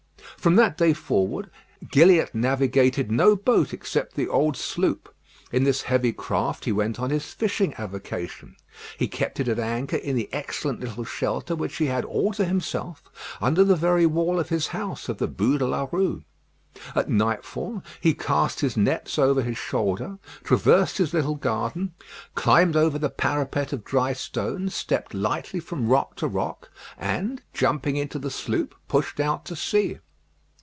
From that day forward, Gilliatt navigated no boat except the old sloop. In this heavy craft he went on his fishing avocation. He kept it at anchor in the excellent little shelter which he had all to himself, under the very wall of his house of the Bû de la Rue. At nightfall, he cast his nets over his shoulder, traversed his little garden, climbed over the parapet of dry stones, stepped lightly from rock to rock, and jumping into the sloop, pushed out to sea.